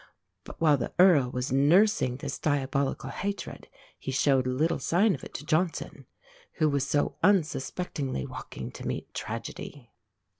But while the Earl was nursing this diabolical hatred, he showed little sign of it to Johnson, who was so unsuspectingly walking to meet tragedy.